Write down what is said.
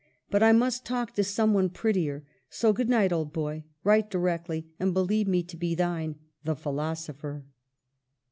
But I must talk to some one prettier; so good night, old boy. Write directly, and believe me to be thine, "The Philosopher."